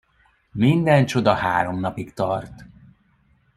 Minden csoda három napig tart.